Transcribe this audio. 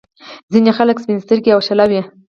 ځينې خلک سپين سترګي او شله وي.